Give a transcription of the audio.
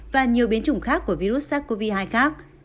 và nhiều biến chủng khác của virus sars cov hai khác